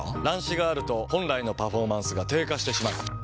乱視があると本来のパフォーマンスが低下してしまう。